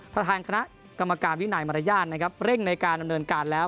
ประธานคณะกรรมการวินัยมารยาทนะครับเร่งในการดำเนินการแล้ว